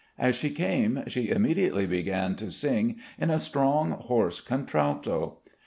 As she came she immediately began to sing in a strong hoarse contralto.